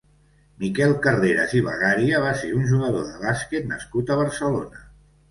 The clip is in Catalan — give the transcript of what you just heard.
Miquel Carreras i Bagaria va ser un jugador de bàsquet nascut a Barcelona.